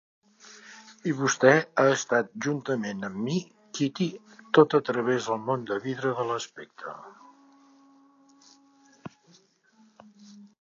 I vostè ha estat juntament amb mi, Kitty-tot a través del món de vidre de l'aspecte.